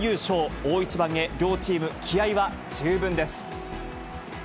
大一番へ、両チーム、気合いは十分です。